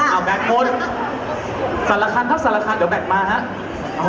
สั่นราคันค่ะสั่นราคันเดี๋ยวแบงก์มานะฮะ